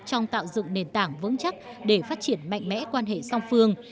trong tạo dựng nền tảng vững chắc để phát triển mạnh mẽ quan hệ song phương